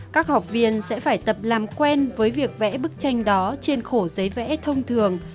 các học viên sẽ phải tập làm quen với việc vẽ bức tranh đó trên khổ giấy vẽ thông thường